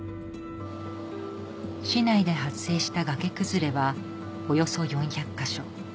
市内で発生したがけ崩れはおよそ４００か所